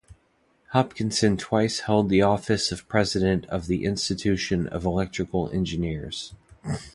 Hopkinson twice held the office of President of the Institution of Electrical Engineers.